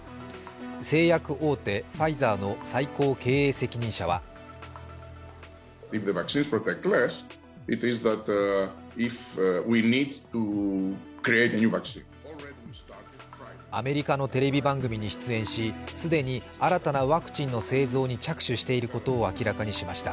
製薬大手ファイザーの最高経営責任者はアメリカのテレビ番組に出演し既に新たなワクチンの製造に着手していることを明らかにしました。